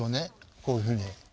こういうふうに。